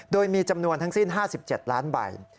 โดยมีจำนวนทั้งสิ้น๕๗ล้านใบ